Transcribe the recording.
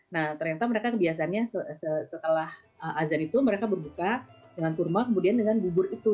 nah ternyata mereka kebiasaannya setelah azan itu mereka berbuka dengan kurma kemudian dengan bubur itu